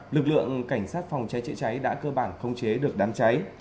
lực lượng cảnh sát phòng cháy chữa cháy đã cơ bản không chế được đám cháy